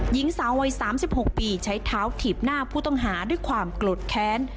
หญิงสาววัย๓๖ปีใช้เท้าถีบหน้าผู้ต้องหาด้วยความโกรธแค้น